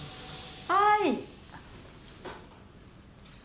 はい。